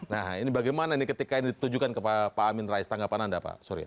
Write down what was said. nah ini bagaimana ketika ditujukan ke pak amin rais tanggapan anda pak